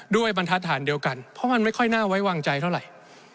บรรทัศน์เดียวกันเพราะมันไม่ค่อยน่าไว้วางใจเท่าไหร่